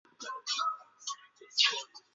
在其他的国家上面排在前二十。